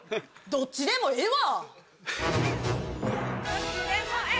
どっちでもええわ